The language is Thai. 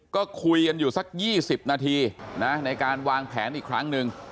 ก็คุยกันอยู่สัก๒๐นาทีนะในการวางแผนอีกครั้งหนึ่ง